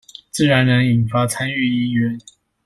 自然能引發參與意願